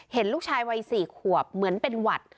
เห็นลูกชายวัย๔ขวบเหมือนเป็นหวัด